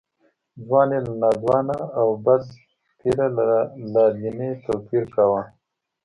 ځوان یې له ناځوانه او بدپیره له لادینه توپیر کاوه.